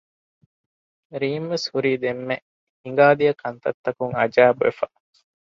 ރީމްވެސް ހުރީ ދެންމެ ހިނގައި ދިޔަ ކަންތައް ތަކުން އަޖައިބުވެފަ